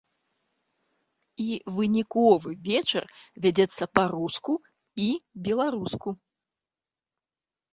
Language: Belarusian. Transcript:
І выніковы вечар вядзецца па-руску і беларуску.